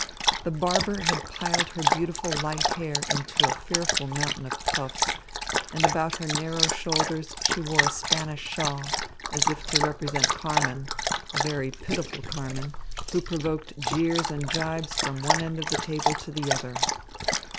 The barber had piled her beautiful light hair into a fearful mountain of puffs, and about her narrow shoulders she wore a Spanish shawl, as if to represent Carmen a very pitiful Carmen, who provoked jeers and jibes from one end of the table to the other.